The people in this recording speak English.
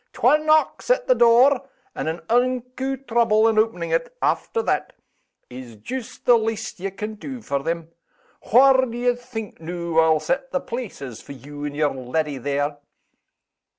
Twa knocks at the door and an unco trouble in opening it, after that is joost the least ye can do for them! Whar' do ye think, noo, I'll set the places for you and your leddy there?"